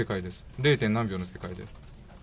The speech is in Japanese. ０．何秒の世界で。